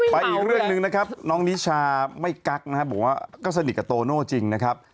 อีกเรื่องหนึ่งนะครับน้องนิชาไม่กักนะครับบอกว่าก็สนิทกับโตโน่จริงนะครับ